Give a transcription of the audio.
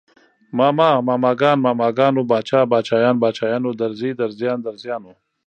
ماما، ماماګان، ماماګانو، باچا، باچايان، باچايانو، درزي، درزيان، درزیانو